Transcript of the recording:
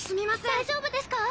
大丈夫ですか。